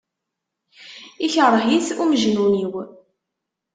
Ikṛeh-it umejnun-iw.